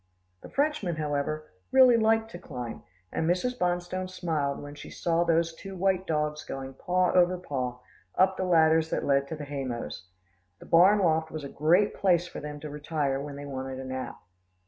The Frenchmen, however, really liked to climb, and Mrs. Bonstone smiled when she saw those two white dogs going, paw over paw, up the ladders that led to the hay mows. The barn loft was a great place for them to retire to when they wanted a nap.